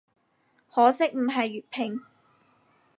可惜唔係粵拼